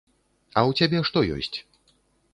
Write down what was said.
А ў цябе што ёсць?